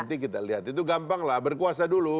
nanti kita lihat itu gampang lah berkuasa dulu